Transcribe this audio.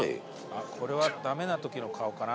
「これはダメな時の顔かな？」